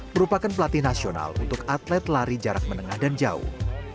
merupakan pelatih nasional untuk atlet lari jarak menengah dan jauh